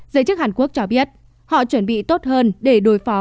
giới chức hàn quốc cho biết họ chuẩn bị tốt hơn để đối phó